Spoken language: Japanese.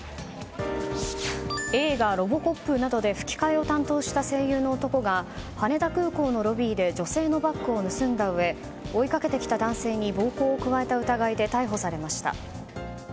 映画「ロボコップ」などで吹き替えを担当した声優の男が羽田空港のロビーで女性のバッグを盗んだうえ追いかけてきた男性に暴行を加えた疑いで逮捕されました。